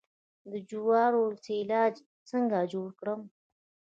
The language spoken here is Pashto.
د جوارو سیلاج څنګه جوړ کړم؟